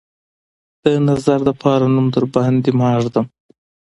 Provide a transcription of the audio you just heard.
د نظر دپاره نوم درباندې ماه ږدم